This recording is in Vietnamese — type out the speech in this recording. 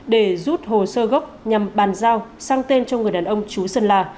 để rút hồ sơ gốc nhằm bàn giao sang tên cho người đàn ông chú sơn la